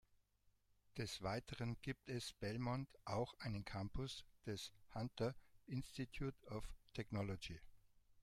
Des Weiteren gibt es Belmont auch einen Campus des Hunter Institute of Technology.